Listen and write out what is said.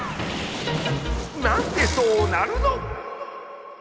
なんでそなるのっ！